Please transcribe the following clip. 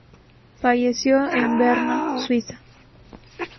Falleció en Berna, Suiza.